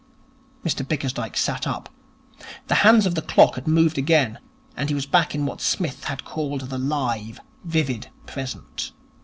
Mr Bickersdyke sat up. The hands of the clock had moved again, and he was back in what Psmith had called the live, vivid present.